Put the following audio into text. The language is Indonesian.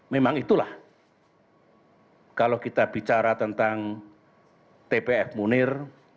memang itulah kalau kita bicara tentang tpf munir